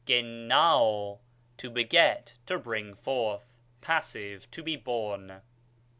yevvaw, to beget, to bring forth ; pass., to be born.